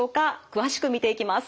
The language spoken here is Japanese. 詳しく見ていきます。